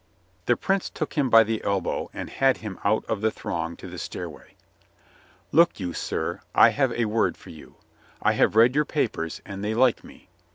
The Prince took him by the elbow and had him out of the throng to the stairway. "Look you, sir, I have a word for you. I have read your papers, and they like me.